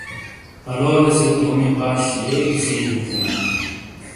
پلولے سے تومی باش لیگی سی ھی تھے نا